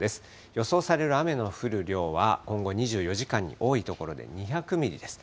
予想される雨の降る量は、今後２４時間に多い所で２００ミリです。